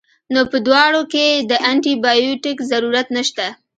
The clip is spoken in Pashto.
نو پۀ دواړو کښې د انټي بائيوټک ضرورت نشته